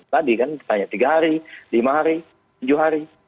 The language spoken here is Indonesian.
tadi kan tanya tiga hari lima hari tujuh hari